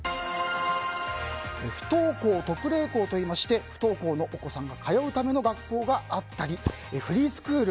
不登校特例校といいまして不登校のお子さんが通うための学校があったりフリースクール。